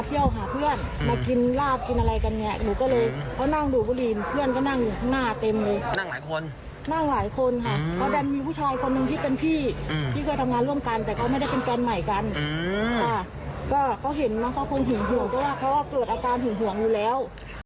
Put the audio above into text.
ก็เห็นว่าเขาคงถึงห่วงก็ว่าเขาก็เกิดอาการถึงห่วงอยู่แล้ว